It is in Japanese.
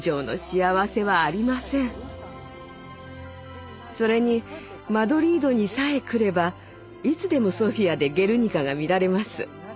でもそれにマドリードにさえ来ればいつでもソフィアで「ゲルニカ」が見られます。